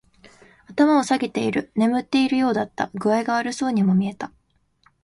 頭を下げている。眠っているようだった。具合が悪そうにも見えた。